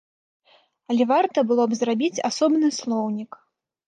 Але варта было б зрабіць асобны слоўнік.